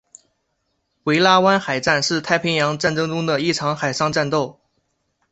维拉湾海战是太平洋战争中的一场海上战斗。